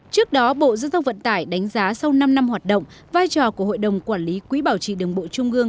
trước đó bộ giao thông vận tải đánh giá sau năm năm hoạt động vai trò của hội đồng quản lý quỹ bảo trì đường bộ trung ương